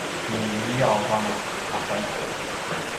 kiliavanga a paysu